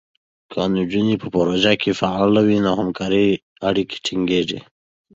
که نجونې په پروژو کې فعاله وي، نو همکارۍ اړیکې ټینګېږي.